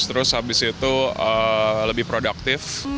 terus habis itu lebih produktif